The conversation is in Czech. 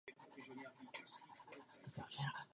Vystudoval strojní fakultu Vysokého učení technického v Brně.